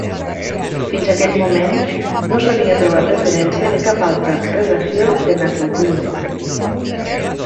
Fins aquell moment no s'havia trobat referència de cap altra relació de na Clotilde.